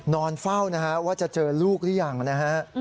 นอนเฝ้านะฮะว่าจะเจอลูกหรือยังนะฮะ